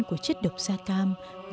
của chất độc sa cam